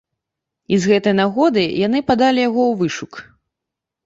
І з гэтай нагодай яны падалі яго ў вышук.